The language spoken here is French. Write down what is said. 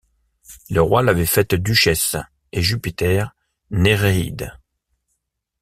Le roi l’avait faite duchesse, et Jupiter néréide.